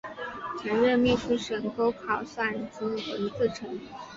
曾任秘书省钩考算经文字臣。